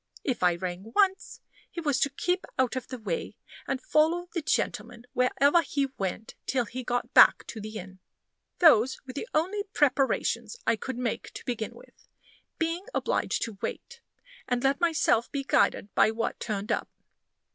If I rang once, he was to keep out of the way, and follow the gentleman whereever he went till he got back to the inn. Those were the only preparations I could make to begin with; being obliged to wait, and let myself be guided by what turned up.